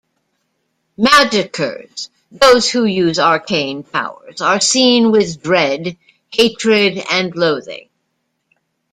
Magickers, those who use arcane powers, are seen with dread, hatred and loathing.